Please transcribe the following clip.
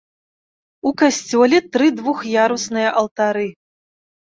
У касцёле тры двух'ярусныя алтары.